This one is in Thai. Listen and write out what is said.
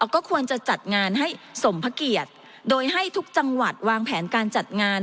ก็ควรจะจัดงานให้สมพระเกียรติโดยให้ทุกจังหวัดวางแผนการจัดงาน